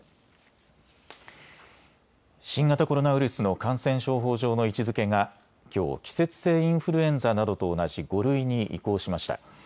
新型コロナウイルスの感染症法上の位置づけがきょう季節性インフルエンザなどと同じ５類に移行しました。